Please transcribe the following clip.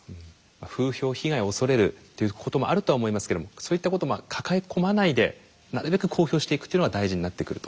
風評被害を恐れるっていうこともあるとは思いますけどもそういったことまあ抱え込まないでなるべく公表していくっていうのが大事になってくると。